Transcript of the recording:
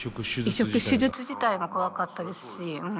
移植手術自体も怖かったですし。